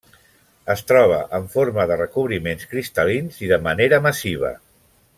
Es troba en forma de recobriments cristal·lins i de manera massiva.